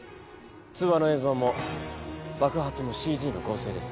通話の映像も爆発もＣＧの合成です。